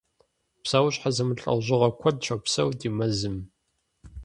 Псэущхьэ зэмылӏэужьыгъуэ куэд щопсэу ди мэзым.